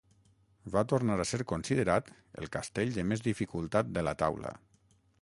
Va tornar a ser considerat el castell de més dificultat de la taula.